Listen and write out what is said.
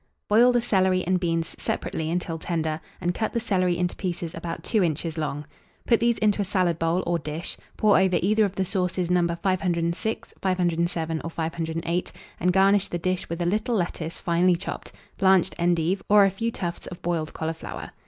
Boil the celery and beans separately until tender, and cut the celery into pieces about 2 inches long. Put these into a salad bowl or dish; pour over either of the sauces No. 506, 507, or 508, and garnish the dish with a little lettuce finely chopped, blanched endive, or a few tufts of boiled cauliflower.